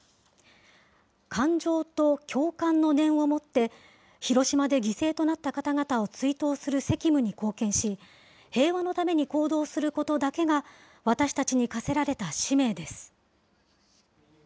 感情と共感の念をもって、広島で犠牲となった方々を追悼する責務に貢献し、平和のために行動することだけが、私たちに課せられた使命です。